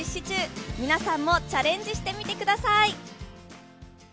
皆さんもチャレンジしてみてください。